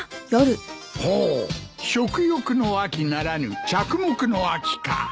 ほう「食欲の秋」ならぬ「着目の秋」か。